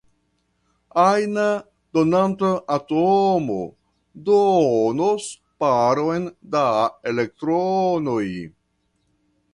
Ajna donanta atomo donos paron da elektronoj.